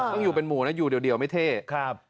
ต้องอยู่เป็นหมู่นะอยู่เดียวไม่เท่ครับ